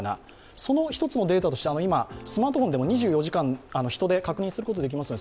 その１つのデータとして今、スマートフォンでも２４時間人出を確認することができますので